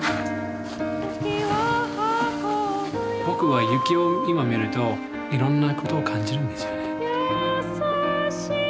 僕は雪を今見るといろんなことを感じるんですよね。